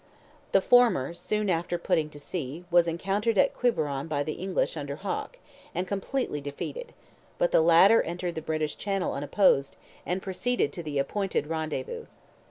The former, soon after putting to sea, was encountered at Quiberon by the English under Hawke, and completely defeated; but the latter entered the British channel unopposed, and proceeded to the appointed rendezvous.